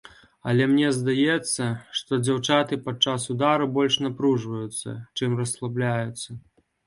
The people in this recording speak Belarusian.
Але мне здаецца, што дзяўчаты падчас удару больш напружваюцца, чым расслабляюцца.